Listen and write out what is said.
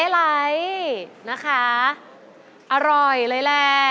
อร่อยเลยแหล่ะ